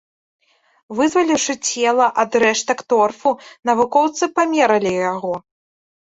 Вызваліўшы цела ад рэштак торфу, навукоўцы памералі яго.